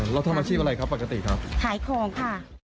เราทำอาชีพอะไรครับปกติครับขายของค่ะ